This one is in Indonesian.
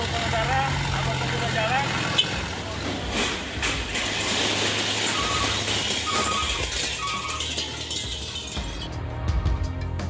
kepala seluruh orang negara apa sebuah jalan